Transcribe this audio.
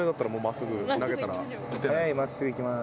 速い真っすぐいきます。